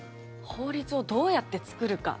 法律をどうやって作るか？